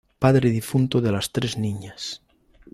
Padre difunto de las tres niñas.